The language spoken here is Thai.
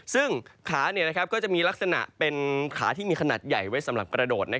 ซึ่งขาก็จะมีลักษณะเป็นขาที่มีขนาดใหญ่ไว้สำหรับกระโดด